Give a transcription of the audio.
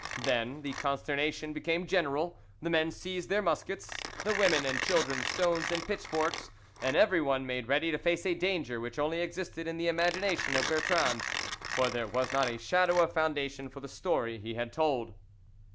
Then the consternation became general: the men seized their muskets, the women and children stones and pitchforks, and everyone made ready to face a danger which only existed in the imagination of Bertrand, for there was not a shadow of foundation for the story he had told.